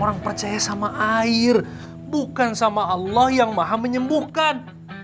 orang percaya sama air bukan sama allah yang maha menyembuhkan